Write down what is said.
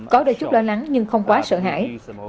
có đôi chút lo lắng nhưng không quá sợ hãi